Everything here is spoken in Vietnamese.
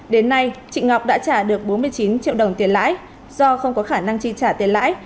đến nay chị ngọc đã trả được bốn mươi chín triệu đồng tiền lãi do không có khả năng chi trả tiền lãi